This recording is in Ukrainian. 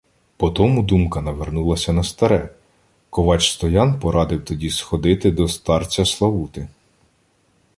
По тому думка навернулася на старе. Ковач Стоян порадив тоді сходити до старця Славути.